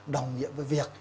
đồng nghĩa với việc